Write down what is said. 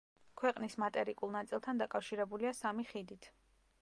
ქვეყნის მატერიკულ ნაწილთან დაკავშირებულია სამი ხიდით.